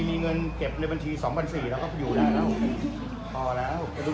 มีเงินเก็บแล้วอยู่ได้แล้ว